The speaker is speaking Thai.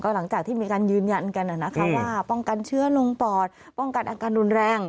หลังจากที่มีการยืนยันกันว่าป้องกันเชื้อลงปอดป้องกันอาการรุนแรง